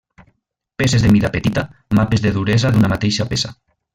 Peces de mida petita, mapes de duresa d'una mateixa peça.